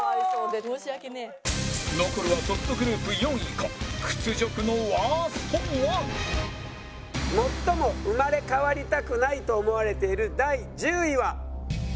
残るはトップグループ４位か屈辱のワースト１最も生まれ変わりたくないと思われている第１０位は。